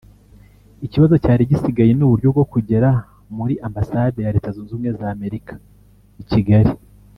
Ikibazo cyari gisigaye n’uburyo bwo kugera muri ambasade ya Leta Zunze Ubumwe z’Amerika i Kigali